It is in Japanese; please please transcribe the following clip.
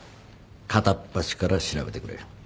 片っ端から調べてくれ。